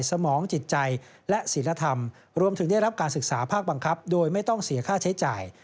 สมองจิตใจและศิลธรรมรวมถึงได้รับการศึกษาภาคบังคับโดยไม่ต้องเสียค่าใช้จ่าย